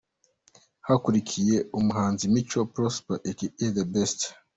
Hakurikiyeho umuhanzi Mico Prosper aka The Best.